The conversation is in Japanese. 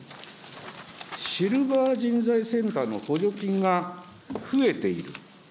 シルバー人材センターの補助金が増えている。